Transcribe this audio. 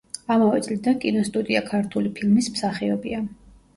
ამავე წლიდან კინოსტუდია „ქართული ფილმის“ მსახიობია.